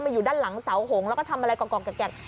มาอยู่ด้านหลังเสาหงษ์แล้วก็ทำอะไรก่อนแกล็ก